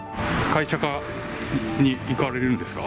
会社に行かれるんですか？